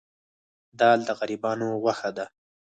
دال د غریبانو غوښه ده.